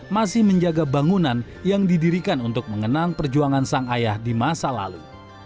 masih menjaga bangunan yang didirikan untuk mengenang perjuangan sang ayah di masa lalu